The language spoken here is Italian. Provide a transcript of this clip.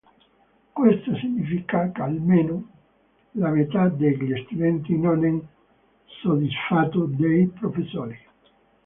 Questo significa che "almeno" la metà degli studenti non è soddisfatto dei professori.